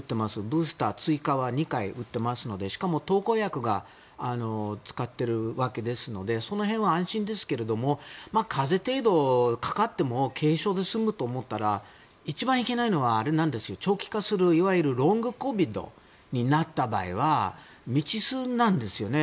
ブースター、追加は２回打ってますのでしかも薬を使っているわけですのでその辺は安心ですけども風邪程度、かかっても軽症で済むと思ったら一番いけないのは長期化する、いわゆるロングコビッドになった場合は未知数なんですよね。